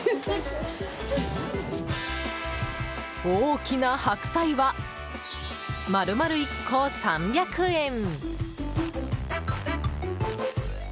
大きな白菜は丸々１個、３００円。